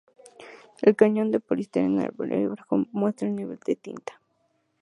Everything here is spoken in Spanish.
El cañón de poliestireno del bolígrafo muestra el nivel de tinta.